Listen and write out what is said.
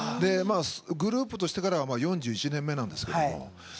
グループとしてからは４１年目なんですけれども。